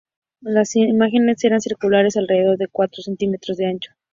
Las imágenes eran circulares, de alrededor de cuatro centímetros de ancho.